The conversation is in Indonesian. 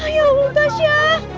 ya allah tasya